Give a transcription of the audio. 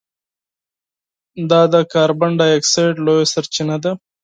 دا د کاربن ډای اکسایډ لویه سرچینه ده.